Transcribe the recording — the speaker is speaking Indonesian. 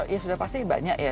ya sudah pasti banyak ya